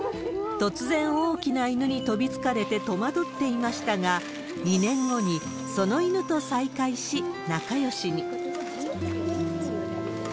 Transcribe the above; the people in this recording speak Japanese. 突然大きな犬に飛びつかれて戸惑っていましたが、２年後にその犬と再会し、仲よしに。